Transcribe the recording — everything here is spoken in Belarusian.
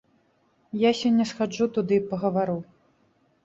Я сёння схаджу туды пагавару.